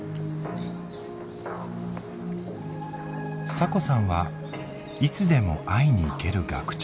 サコさんは「いつでも会いに行ける学長」。